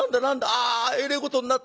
あえれえことになった。